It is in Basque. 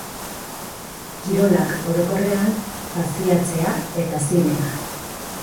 Kirolak orokorrean, pasiatzea eta zinea.